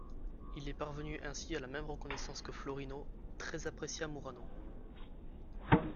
Il est parvenu ainsi à la même reconnaissance que Florino, très apprécié à Murano.